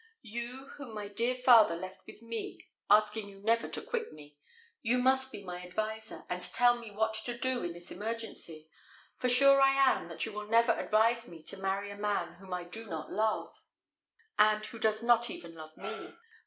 You, whom my dear father left with me, asking you never to quit me you must be my adviser, and tell me what to do in this emergency; for sure I am that you will never advise me to marry a man whom I do not love, and who does not even love me."